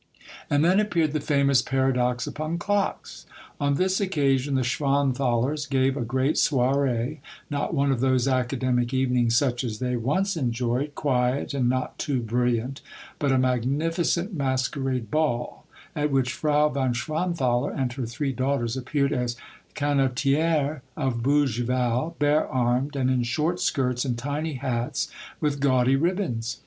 And then appeared the famous Paradox upon Clocks. On this occasion the Schwanthalers gave a great soir6e, not one of those academic evenings such as they once enjoyed, quiet, and not too bril liant, but a magnificent masquerade ball, at which Frau von Schwanthaler and her three daughters appeared as canotihes of Bougival, bare armed and in short skirts and tiny hats with gaudy rib bons.